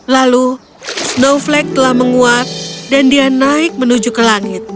lalu snowflake telah menguat dan dia naik menuju ke langit